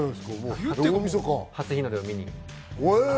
初日の出を見に。